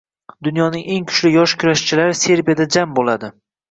Dunyoning eng kuchli yosh kurashchilari Serbiyada jam bo‘lading